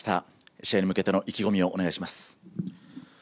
試合に向けての意気込みをお願いします。